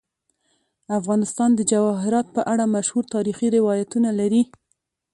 افغانستان د جواهرات په اړه مشهور تاریخی روایتونه لري.